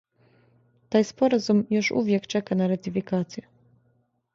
Тај споразум још увијек чека на ратификацију.